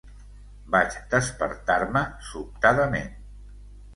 Vaig despertar-me sobtadament.